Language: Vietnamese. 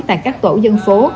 đã xây dựng một khu phố